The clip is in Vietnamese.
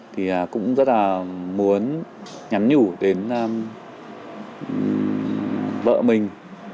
thì cũng rất là muốn nhắn nhủ đến vợ mình